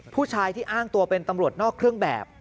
ผู้ชายที่อ้างตัวเป็นตำรวจนอกเครื่องแบบ